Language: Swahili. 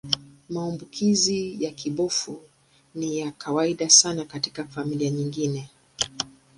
Maambukizi ya kibofu ni ya kawaida sana katika familia nyingine.